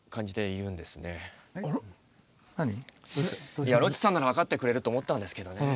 いやロッチさんなら分かってくれると思ったんですけどね。